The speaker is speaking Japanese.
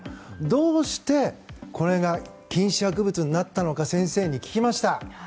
どうしてこれが禁止薬物になったのか先生に聞きました。